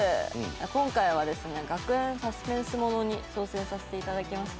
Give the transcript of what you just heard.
今回は学園サスペンスものに挑戦させていただきました。